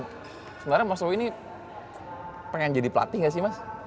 sebenarnya mas owi ini pengen jadi pelatih gak sih mas